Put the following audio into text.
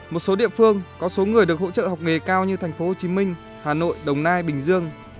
một số địa phương có số người được hỗ trợ học nghề cao như thành phố hồ chí minh hà nội đồng nai bình dương